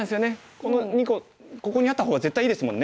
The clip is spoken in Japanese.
この２個ここにあった方が絶対いいですもんね。